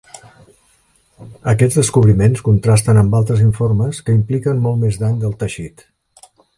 Aquests descobriments contrasten amb altres informes que impliquen molt més dany del teixit.